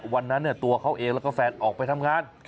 วันนั้นตัวเขาเองแล้วก็แฟนออกไปทำงาน